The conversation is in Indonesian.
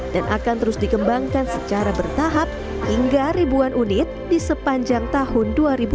dan akan terus dikembangkan secara bertahap hingga ribuan unit di sepanjang tahun dua ribu dua puluh dua